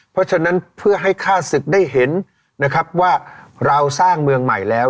เพราะฉะนั้นเพื่อให้ฆ่าศึกได้เห็นนะครับว่าเราสร้างเมืองใหม่แล้ว